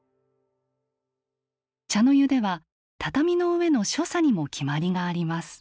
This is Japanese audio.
茶の湯では畳の上の所作にも決まりがあります。